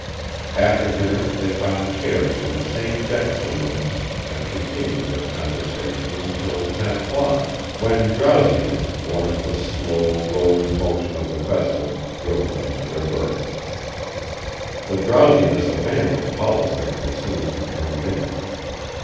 After dinner they found chairs in the same deck saloon and continued their conversation until ten o'clock, when drowsiness born of a slow, rolling motion of the vessel drove them to their berths. The drowsiness abandoned Hollister as soon as he turned in.